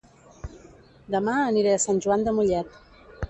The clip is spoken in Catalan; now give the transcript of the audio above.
Dema aniré a Sant Joan de Mollet